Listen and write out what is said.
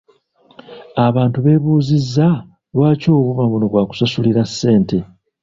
Abantu b’ebuuzizza lwaki obuuma buno bwa kusasulira ssente?